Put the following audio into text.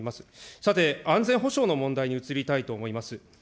さて、安全保障の問題に移りたいと思います。